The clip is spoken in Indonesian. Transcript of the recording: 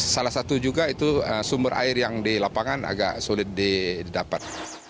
salah satu juga itu sumber air yang di lapangan agak sulit didapat